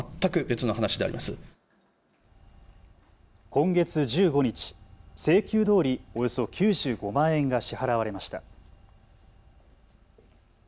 今月１５日、請求どおりおよそ９５万円が支払われました。